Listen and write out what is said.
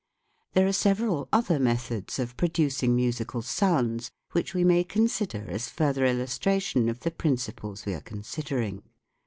There are several other methods of producing musical sounds which we may consider as further illustration of the principles we are considering.